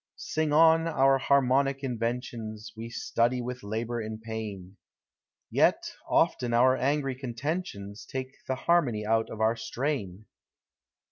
Sing on.— our harmonic inventions We study with labor and pain; Yet often our angry contentions Take the harmony out of our strain.